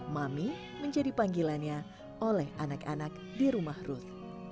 mami menjadi panggilannya oleh anak anak di rumah ruth